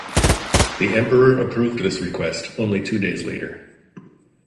The Emperor approved this request only two days later.